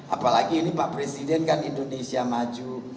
apalagi ini pak presiden kan indonesia maju